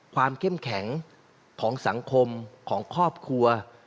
เข้มแข็งของสังคมของครอบครัว